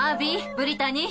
ブリタニー！